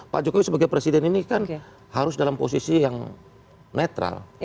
pak jokowi sebagai presiden ini kan harus dalam posisi yang netral